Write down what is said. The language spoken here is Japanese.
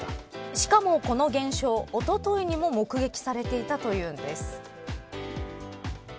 しかもこの現象おとといにも目撃されていたというんです。